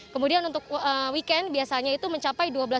kemudian untuk weekend biasanya itu mencapai dua belas